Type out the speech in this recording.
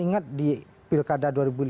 ingat di pilkada dua ribu lima belas